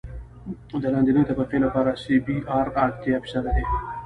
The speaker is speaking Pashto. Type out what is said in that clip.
د لاندنۍ طبقې لپاره سی بي ار اتیا فیصده دی